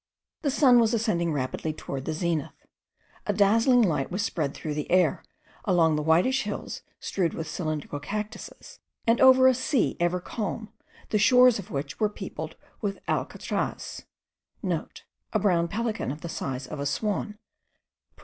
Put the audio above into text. The sun was ascending rapidly toward the zenith. A dazzling light was spread through the air, along the whitish hills strewed with cylindric cactuses, and over a sea ever calm, the shores of which were peopled with alcatras,* (* A brown pelican, of the size of a swan.